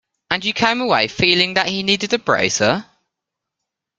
And you came away feeling that he needed a bracer?